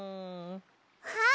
あっ！